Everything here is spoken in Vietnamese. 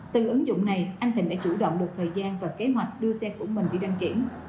từ ứng dụng này anh thịnh đã chủ động một thời gian và kế hoạch đưa xe của mình đi đăng kiểm